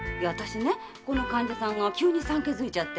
ここの患者さんが急に産気づいちゃって。